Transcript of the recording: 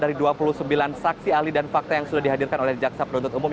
dari dua puluh sembilan saksi ahli dan fakta yang sudah dihadirkan oleh jaksa penuntut umum